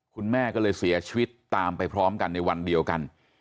คุณแม่ก็เลยเสียชีวิตตามไปพร้อมกันในวันเดียวกัน